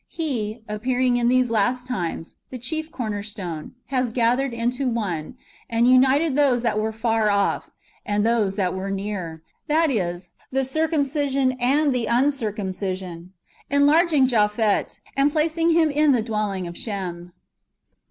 He, appearing in these last times, the chief corner stone, has gathered into one, and united those that were far off and those that were near ;^ that is, the circumcision and the uncircumcision, enlarging Japhet, and placing him in the dwelling of Shem.